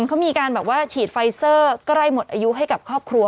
เขามีการแบบว่าฉีดไฟเซอร์ใกล้หมดอายุให้กับครอบครัว